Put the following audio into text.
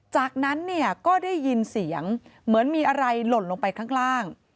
จากนั้นเนี่ยก็ได้ยินเสียงเหมือนมีอะไรหล่นลงไปข้างล่าง